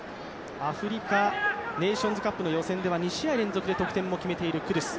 アフリカネーションズカップの予選では２試合連続で得点も決めているクドゥス。